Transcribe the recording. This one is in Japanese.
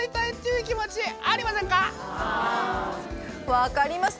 分かります。